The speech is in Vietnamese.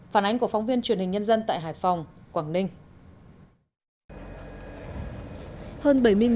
phản ánh của phóng viên truyền hình nhân dân tại hải phòng quảng ninh